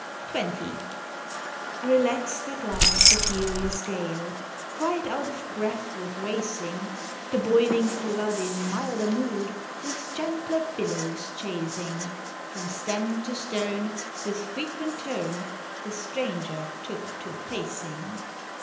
XX. Relaxed at last the furious gale Quite out of breath with racing; The boiling flood in milder mood, With gentler billows chasing; From stem to stern, with frequent turn, The Stranger took to pacing.